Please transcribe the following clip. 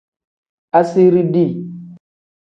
Asiiri dii.